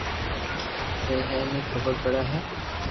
سھي ھي ني خبر پڙي ھي